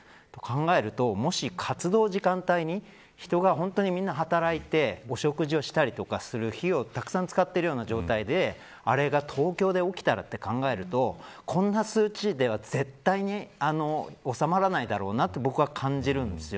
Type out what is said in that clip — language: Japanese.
そう考えるともし活動時間帯に人がみんな働いて食事をしたりとかする火をたくさん使ってる状態であれが東京で起きたらと考えるとこんな数値では、絶対に収まらないだろうなと僕は感じるんです。